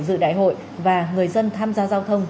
dự đại hội và người dân tham gia giao thông